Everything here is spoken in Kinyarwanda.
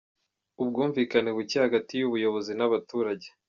Ubwumvikane buke hagati y’ubuyobozi n’abaturage